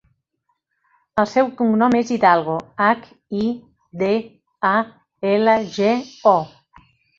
El seu cognom és Hidalgo: hac, i, de, a, ela, ge, o.